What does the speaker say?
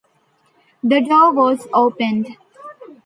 The door was opened.